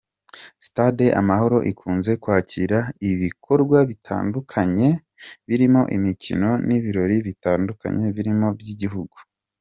Stade Amahoro ikunze kwakira ibikorwa bitandukanye birimo imikino n’ibirori bitandukanye birimo iby’igihugu.